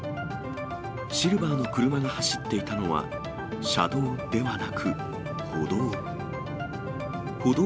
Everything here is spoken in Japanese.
シルバーの車が走っていたのは車道ではなく、歩道。